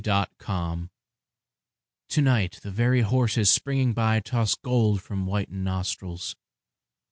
WINTER EVENING To night the very horses springing by Toss gold from whitened nostrils.